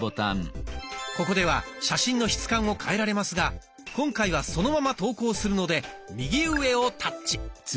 ここでは写真の質感を変えられますが今回はそのまま投稿するので右上をタッチ。